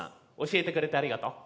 教えてくれてありがとう。